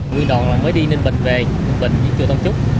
nguyên đoàn là mới đi ninh bình về bình chùa tông trúc